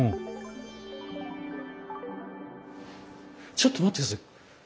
ちょっと待って下さい。